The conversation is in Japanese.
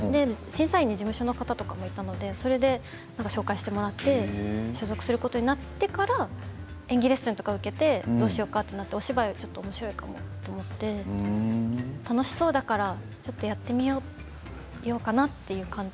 審査員に事務所の方とかもいたので紹介してもらって所属することになってから演技レッスンとかを受けてどうしようかなとお芝居、おもしろいかもと思って楽しそうだからちょっとやってみようかな